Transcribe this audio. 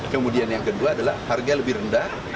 kemudian yang kedua adalah harga lebih rendah